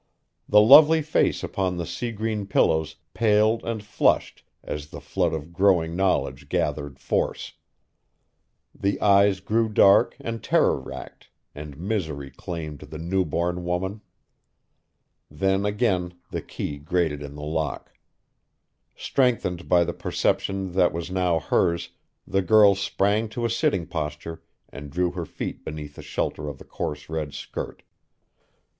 The lovely face upon the sea green pillows paled and flushed as the flood of growing knowledge gathered force. The eyes grew dark and terror racked, and misery claimed the newborn woman. Then again the key grated in the lock. Strengthened by the perception that was now hers, the girl sprang to a sitting posture and drew her feet beneath the shelter of the coarse red skirt.